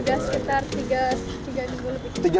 sudah sekitar tiga minggu lebih